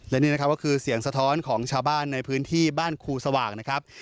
และนี่นะครับก็คือเสียงสะท้อนของชาวบ้านในพื้นที่บ้านครูสว่างนะครับ